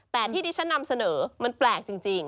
แต่ที่ดิฉันนำเสนอมันแปลกจริง